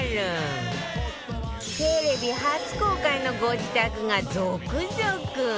テレビ初公開のご自宅が続々